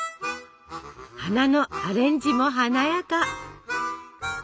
花のアレンジも華やか！